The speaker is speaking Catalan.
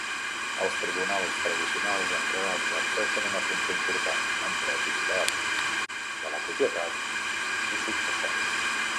Els tribunals tradicionals encara exerceixen una funció important en dret intern, de la propietat i successori.